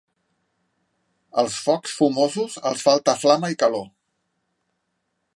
Als focs fumosos els falta flama i calor.